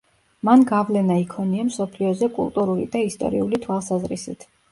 მან გავლენა იქონია მსოფლიოზე კულტურული და ისტორიული თვალსაზრისით.